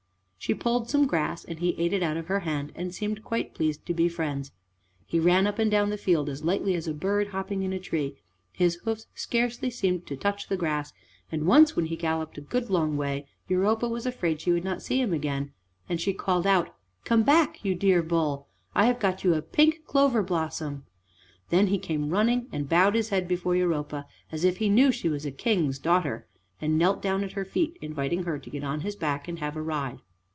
She pulled some grass and he ate it out of her hand and seemed quite pleased to be friends. He ran up and down the field as lightly as a bird hopping in a tree; his hoofs scarcely seemed to touch the grass, and once when he galloped a good long way Europa was afraid she would not see him again, and she called out, "Come back, you dear bull, I have got you a pink clover blossom." Then he came running and bowed his head before Europa as if he knew she was a King's daughter, and knelt down at her feet, inviting her to get on his back and have a ride.